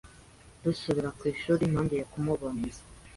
Dusubira ku ishuri ntongeye kumubona.